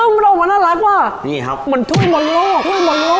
มันออกมาน่ารักว่ะ